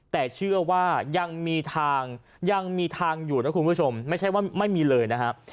แต่เชื่อว่ายังมีทางยังมีทางอยู่นะคุณผู้ชมไม่ใช่ว่าไม่มีเลยนะครับ